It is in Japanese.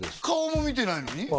顔も見てないのに？